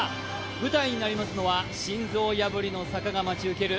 舞台になりますのは心臓破りの坂が待ち受けます